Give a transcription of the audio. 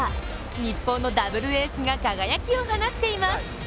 日本のダブルエースが輝きを放っています。